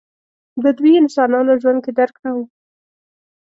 بدوي انسانانو ژوند کې درک نه و.